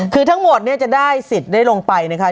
คือทั้งหมดเนี่ยจะได้สิทธิ์ได้ลงไปนะคะ